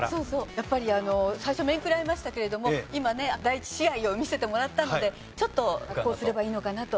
やっぱりあの最初面食らいましたけれども今ね第１試合を見せてもらったのでちょっとこうすればいいのかなと。